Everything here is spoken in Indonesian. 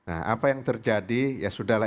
nah apa yang terjadi ya sudah lah